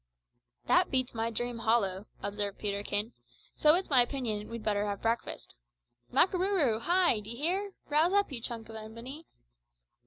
"That beats my dream hollow," observed Peterkin; "so its my opinion we'd better have breakfast. Makarooroo, hy! d'ye hear? rouse up, you junk of ebony."